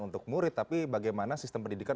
untuk murid tapi bagaimana sistem pendidikan